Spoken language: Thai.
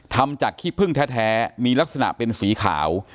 ทำจากขี้พึ่งแท้มีลักษณะเป็นสีขาว